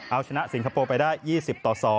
เอาชนะสิงคโปร์ไปได้๒๐ต่อ๒